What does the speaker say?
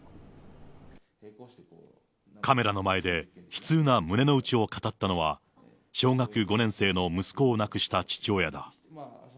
カメラの前で悲痛な胸の内を語ったのは、小学５年生の息子を亡くした父親だ。